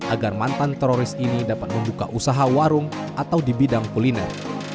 agar mantan teroris ini dapat membuka usaha warung atau di bidang kuliner